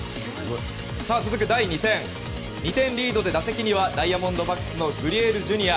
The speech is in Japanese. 続く第２戦、２点リードで打席にはダイヤモンドバックスのグリエルＪｒ．。